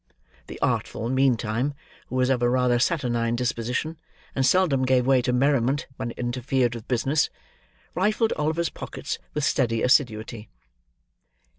The Artful, meantime, who was of a rather saturnine disposition, and seldom gave way to merriment when it interfered with business, rifled Oliver's pockets with steady assiduity.